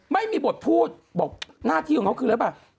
ไม่มีบทพูดบอกหน้าที่ของเขาคือหรือเปล่า